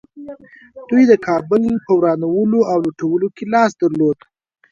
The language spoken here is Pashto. دوی د کابل په ورانولو او لوټولو کې لاس درلود